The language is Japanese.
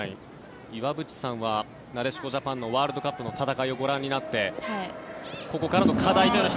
岩渕さんはなでしこジャパンのワールドカップの戦いをご覧になってここからの課題というのは。